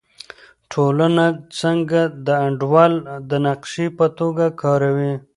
ټولنه څنګه د انډول د نقشې په توګه کاروي؟